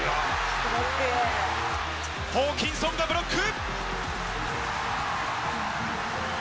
ホーキンソンがブロック。